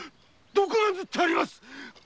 毒が塗ってあります！